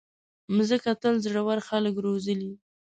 مځکه تل زړور خلک روزلي.